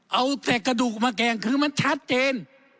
เอาแต่กระดูกมาแกล้งคือมันชัดเจน